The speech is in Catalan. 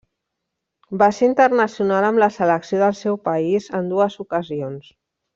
Va ser internacional amb la selecció del seu país en dues ocasions.